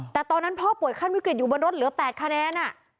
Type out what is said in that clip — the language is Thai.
แต่ตอนนั้นพ่อป่วยขั้นวิกฤตอยู่บนรถเหลือ๘คะแนน